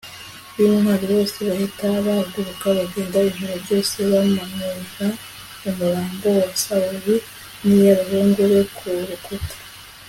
b intwari bose bahita bahaguruka bagenda ijoro ryose bamanura umurambo wa Sawuli n iy abahungu be ku rukuta